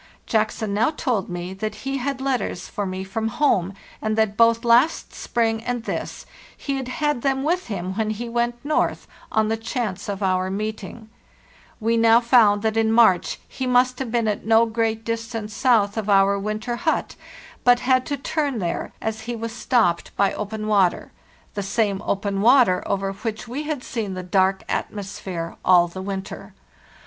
Jackson now told me that he had letters for me from home, and that both last spring and this he had had them with him when he went north, on the chance of our meeting. We now found that in March he must have been at no great distance south of our winter hut,* but had to turn there, as he was stopped by open water— * He had reached Cape Richthofen, about 35 miles to the south of us. THE JOURNEY SOUTHWARD 535 the same open water over which we had seen the dark atmosphere all the winter.